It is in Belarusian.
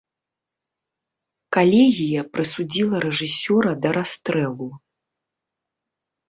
Калегія прысудзіла рэжысёра да расстрэлу.